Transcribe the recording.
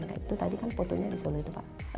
nah itu tadi kan fotonya di solo itu pak